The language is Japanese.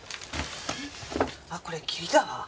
あっこれ桐だわ。